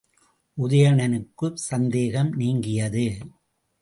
உதயணனுக்குச் சந்தேகம் நீங்கியது.